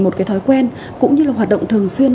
một cái thói quen cũng như là hoạt động thường xuyên